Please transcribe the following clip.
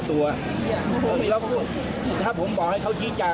ไม่มีใครที่สาร